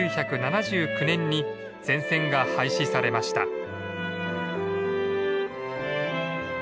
１９７９年に全線が廃止されました。